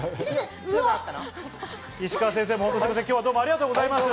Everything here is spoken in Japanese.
石川先生、今日はどうもありがとうございました。